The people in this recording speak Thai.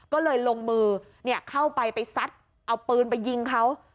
ก็เลยลงมือเข้าไปไปซัดเอาปืนไปยิงเขา